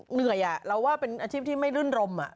เหนื่อยเราว่าเป็นอาชีพที่ไม่รื่นรม